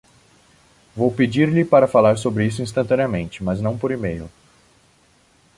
Vou pedir-lhe para falar sobre isso instantaneamente, mas não por e-mail.